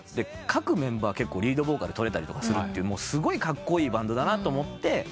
各メンバーリードボーカル取れたりするっていうすごいカッコイイバンドだなと思って。